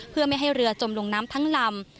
เพื่อไม่ให้เรือจมลงน้ำทั้งลำ